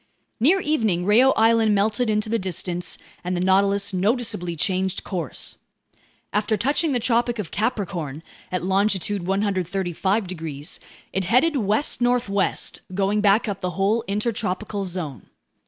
Near evening Reao Island melted into the distance, and the Nautilus noticeably changed course. After touching the Tropic of Capricorn at longitude 135 degrees, it headed west northwest, going back up the whole intertropical zone.